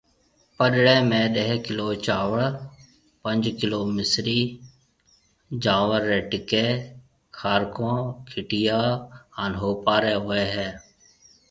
پڏݪيَ ۾ ڏھ ڪلو چاوݪ، پنجھ ڪلو مصرِي، جانور رَي ٽِڪيَ، کارڪون، کِٽيا ھان ھوپارَي ھوئيَ ھيََََ